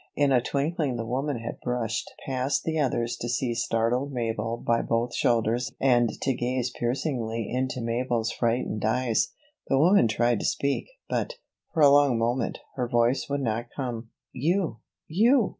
In a twinkling the woman had brushed past the others to seize startled Mabel by both shoulders and to gaze piercingly into Mabel's frightened eyes. The woman tried to speak; but, for a long moment, her voice would not come. "You you!"